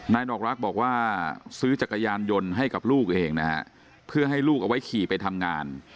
ดอกรักบอกว่าซื้อจักรยานยนต์ให้กับลูกเองนะฮะเพื่อให้ลูกเอาไว้ขี่ไปทำงาน